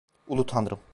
Ulu Tanrım.